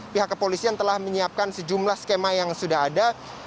pihak kepolisian telah menyiapkan sejumlah skema yang sudah ada